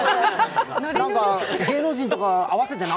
なんか、芸能人とか会わせてな！